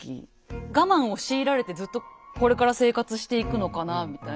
我慢を強いられてずっとこれから生活していくのかなみたいな。